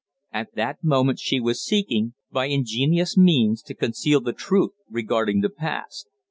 At that moment she was seeking, by ingenious means, to conceal the truth regarding the past.